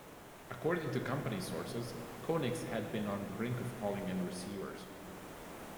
According to company sources, Konix had been on the brink of calling in receivers.